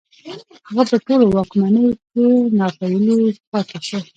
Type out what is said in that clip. هغه په ټولو واکمنيو کې ناپېيلی پاتې شو